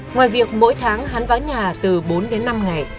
ngoài việc mỗi tháng hắn vá nhà từ bốn đến năm ngày